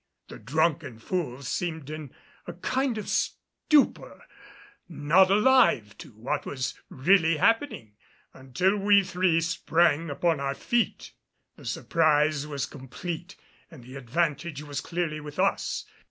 The drunken fools seemed in a kind of stupor, not alive to what was really happening until we three sprang upon our feet. The surprise was complete and the advantage was clearly with us.